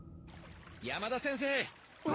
山田先生。